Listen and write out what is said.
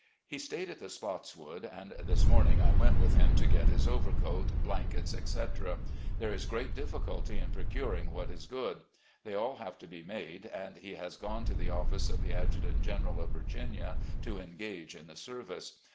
He stayed at the Spottswood, and this morning I went with him to get his overcoat, blankets, etc. There is great difficulty in procuring what is good. They aU have to be made, and he has gone to the office of the adjutant general of Virginia to engage in the service.